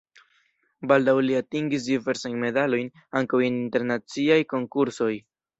Baldaŭ li atingis diversajn medalojn ankaŭ en internaciaj konkursoj.